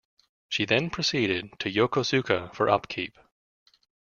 She then proceeded to Yokosuka for upkeep.